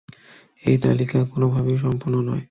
এই তালিকা কোনোভাবেই সম্পূর্ণ নয়।